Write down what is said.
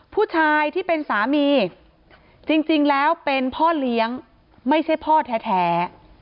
ผู้ชายที่เป็นสามีจริงแล้วเป็นพ่อเลี้ยงไม่ใช่พ่อแท้